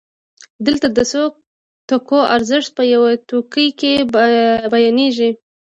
دلته د څو توکو ارزښت په یو توکي کې بیانېږي